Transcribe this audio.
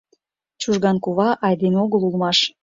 Чужган кува айдеме огыл улмаш.